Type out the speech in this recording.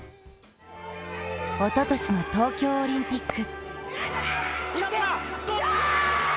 おととしの東京オリンピック。